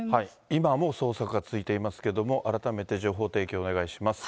今も捜索は続いていますけれども、改めて情報提供をお願いします。